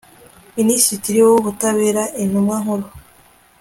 Minisitiri w Ubutabera Intumwa Nkuru